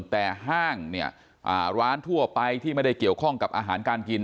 แต่ห้างเนี่ยร้านทั่วไปที่ไม่ได้เกี่ยวข้องกับอาหารการกิน